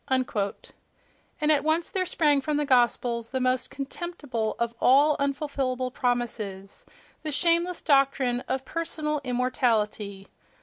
—And at once there sprang from the Gospels the most contemptible of all unfulfillable promises, the shameless doctrine of personal immortality....